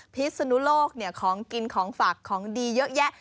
พิศนุโลกของกินของฝากของดีเยอะแยะ